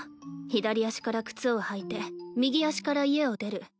左足から靴を履いて右足から家を出る。